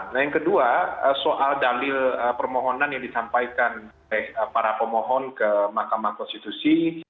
nah yang kedua soal dalil permohonan yang disampaikan oleh para pemohon ke mahkamah konstitusi